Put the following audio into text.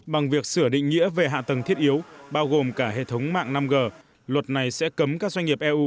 bằng việc sửa định nghĩa về hạ tầng thiết yếu bao gồm cả hệ thống mạng năm g luật này sẽ cấm các doanh nghiệp eu